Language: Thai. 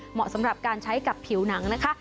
เหมาะสำหรับการใช้กับผิวหนังนะคะ